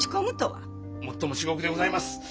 もっとも至極でございます。